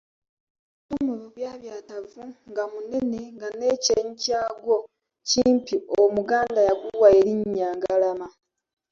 Omutwe omubyabyatavu nga munene nga n’ekyenyi kyagwo kimpi omuganda yaguwa elinnya Ngalama.